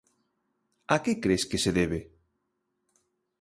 A que cres que se debe?